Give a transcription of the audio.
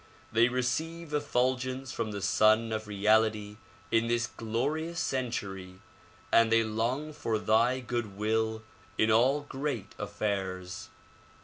They receive effulgence from the Sun of Reality in this glorious century and they long for thy good will in all great affairs.